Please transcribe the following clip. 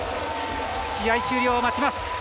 試合終了を待ちます。